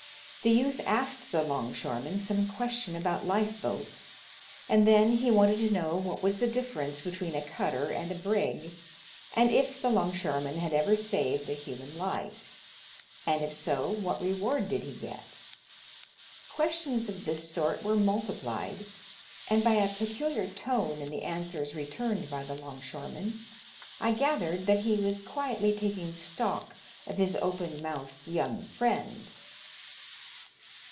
The youth asked the 'longshoreman some question about lifeboats, and then he wanted to know what was the difference between a cutter and a brig, and if the 'longshoreman had ever saved a human 138 'LONQSHOHEMAN'S TARNS. life, and, if so, what reward did he get. Questions of this sort were multiplied, and by a peculiar tone in the answers returned by the 'longshoreman I gathered that he was quietly taking stock of his open mouthed young friend.